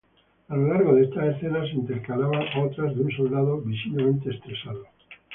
A lo largo de estas escenas se intercalan otras de un soldado visiblemente estresado.